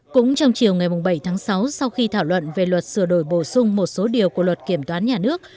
cũng trong chiều ngày bảy tháng sáu sau khi thảo luận về luật sửa đổi bổ sung một số điều của luật kiểm toán nhà nước